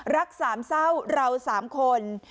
รักสามเศร้าเราสามคน